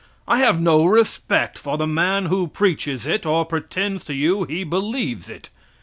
I have no respect for the man who preaches it, or pretends to you he believes it.